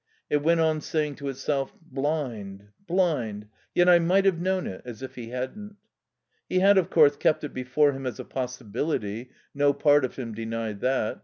It went on saying to itself: "Blind. Blind. Yet I might have known it," as if he hadn't. He had, of course, kept it before him as a possibility (no part of him denied that).